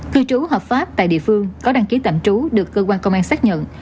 cư trú hợp pháp tại địa phương có đăng ký tạm trú được cơ quan công an xác nhận